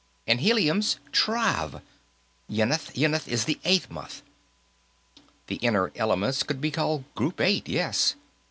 And helium's Trav, Yenth; Yenth is the eighth month." "The inert elements could be called Group Eight, yes.